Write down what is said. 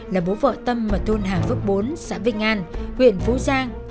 là bố vợ tâm ở thôn hà phước bốn xã vinh an huyện phú giang